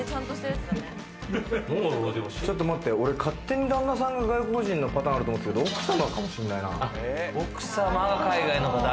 ちょっと待って、俺、勝手に旦那さんが外国人のパターンかと思ってたけど、奥様かもしんないな。